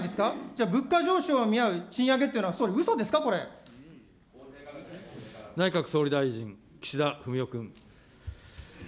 じゃあ、物価上昇に見合う賃上げというのは総理、うそですか、こ内閣総理大臣、岸田文雄君。